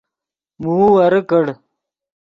موؤ ورے کڑ